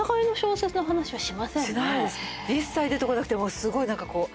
一切出てこなくてもうすごい何かこう。